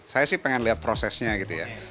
saya sih pengen lihat prosesnya gitu ya